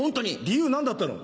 理由何だったの？